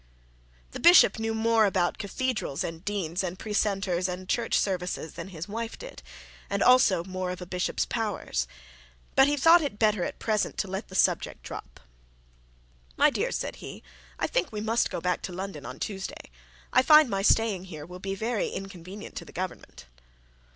This bishop knew more about cathedrals and deans, and precentors and church services than his wife did, and also more of the bishop's powers. But he thought it better at present to let the subject drop. 'My dear,' said he, 'I think we must go back to London on Tuesday. I find that my staying here will be very inconvenient to the Government.'